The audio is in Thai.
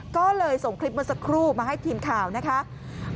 ก็เลยส่งคลิปเมื่อสักครู่มาให้ทีมข่าวนะคะ